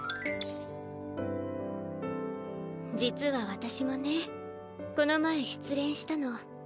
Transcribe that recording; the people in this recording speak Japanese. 実は私もねこの前失恋したの。